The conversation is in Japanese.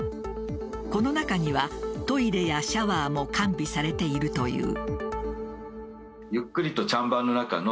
この中にはトイレやシャワーも完備されているという。